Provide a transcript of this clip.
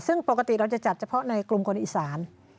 ซึ่งปกติเราจะจัดเฉพาะในกลุ่มคนอีสาน